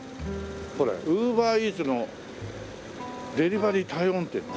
これウーバーイーツのデリバリー対応店って。